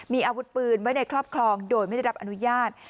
มีอาวุธปืนไว้ในครอบครองโดยไม่ได้รับอนุญาต